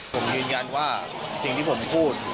ผมยืนยันว่าสิ่งที่ผมพูด